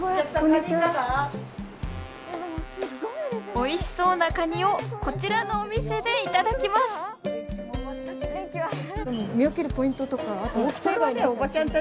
おいしそうなカニをこちらのお店で頂きますアハハ！